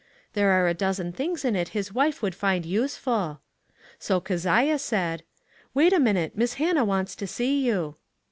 There are a dozen tilings in it his wife would find use ful/' so Keziah said: 3O4 ONE COMMONPLACE DAY. "Wait a minute, Miss Hannah wants to see you."